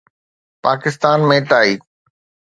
Pakistan ۾ tie